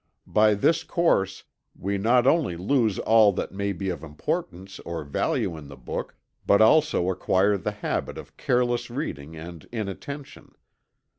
By this course we not only lose all that may be of importance or value in the book, but also acquire the habit of careless reading and inattention.